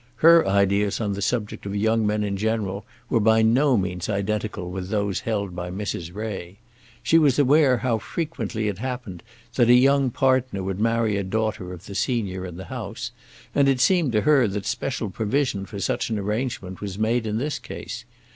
Her ideas on the subject of young men in general were by no means identical with those held by Mrs. Ray. She was aware how frequently it happened that a young partner would marry a daughter of the senior in the house, and it seemed to her that special provision for such an arrangement was made in this case.